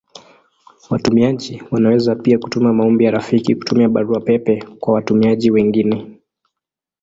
Watumiaji wanaweza pia kutuma maombi ya rafiki kutumia Barua pepe kwa watumiaji wengine.